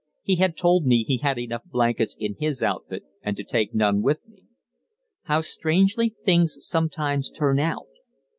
He had told me he had enough blankets in his outfit and to take none with me. How strangely things sometimes turn out!